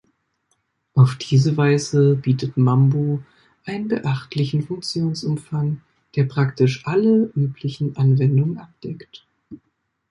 Auf diese Weise bietet Mambo einen beachtlichen Funktionsumfang, der praktisch alle üblichen Anwendungen abdeckt.